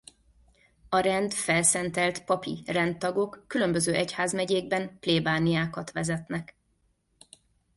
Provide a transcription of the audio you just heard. A rend felszentelt papi rendtagok különböző egyházmegyékben plébániákat vezetnek.